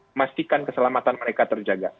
memastikan keselamatan mereka terjaga